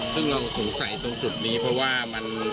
ซึ่งเราสงสัยตรงจุดนี้เพราะว่ามัน